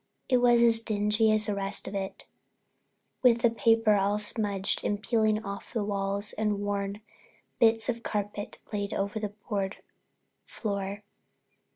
It was as dingy as the rest of it, with the paper all smudged and peeling off the walls and worn bits of carpet laid over the board floor.